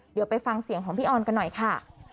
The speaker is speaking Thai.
เดี๋ยวไปฟังเสียงของพี่ออนกันหน่อยค่ะ